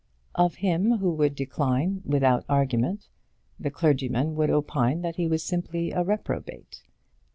Of him who would decline, without argument, the clergyman would opine that he was simply a reprobate.